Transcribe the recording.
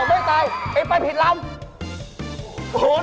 หัวหนักโครงมูล